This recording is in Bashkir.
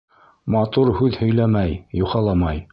Матур һүҙ һөйләмәй, юхаламай.